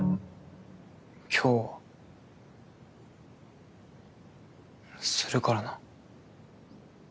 今日はするからな。